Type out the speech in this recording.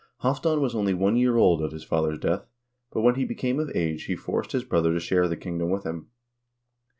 Halvdan was only one year old at his father's death, but when he became of age he forced his brother to share the kingdom with him.